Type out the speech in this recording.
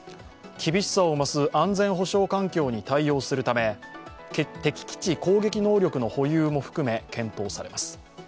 厳しさを増す安全保障環境に対応するため敵基地攻撃能力の保有も含め検討されます。